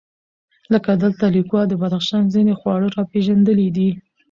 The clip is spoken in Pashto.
لکه دلته لیکوال د بدخشان ځېنې خواړه راپېژندلي دي،